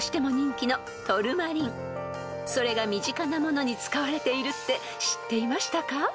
［それが身近なものに使われているって知っていましたか？］